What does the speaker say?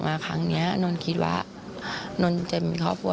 มาครั้งนี้นนท์คิดว่านนท์จะมีครอบครัว